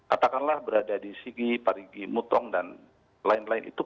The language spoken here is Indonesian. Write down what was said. katakanlah berada di sigi parigi mutong dan lain lain itu